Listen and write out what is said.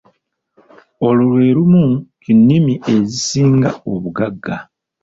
Olwo lwe lumu ki nnimi ezisinga obugagga.